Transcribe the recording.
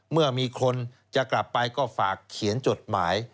เมื่อมีคนจะกลับไปก็ฝากเขียนจดหมาย